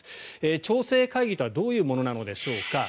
調整会議とはどういうものなのでしょうか。